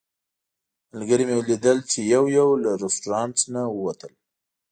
ملګري مې لیدل چې یو یو له رسټورانټ نه ووتل.